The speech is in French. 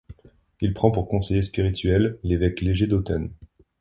Il prend pour conseiller spirituel l'évêque Léger d'Autun.